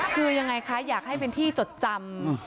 คือยังไงคะอยากให้เป็นที่จดจำ